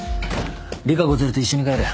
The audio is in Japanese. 利佳子連れて一緒に帰れ。